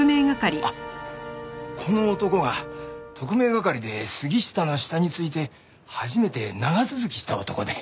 あっこの男が特命係で杉下の下について初めて長続きした男で。